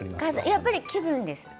やっぱり気分です。